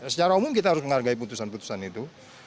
secara umum kita harus menghargai putusan putusan itu